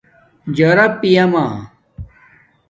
جارا پیمݳ